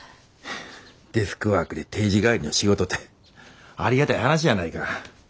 デスクワークで定時帰りの仕事てありがたい話やないか。